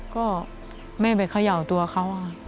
ก็แม่ไปเขย่าตัวเขาค่ะ